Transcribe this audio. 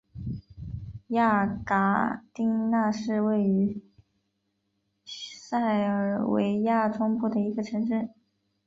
雅戈丁那是位于塞尔维亚中部的一个城市。